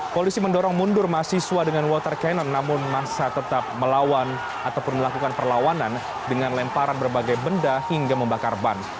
polisi mendorong mundur mahasiswa dengan water cannon namun masa tetap melawan ataupun melakukan perlawanan dengan lemparan berbagai benda hingga membakar ban